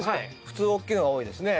普通大きいのが多いですね。